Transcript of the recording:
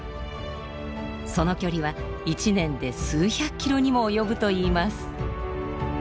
その距離は１年で数百キロにも及ぶといいます。